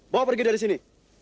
bawa pergi dari sini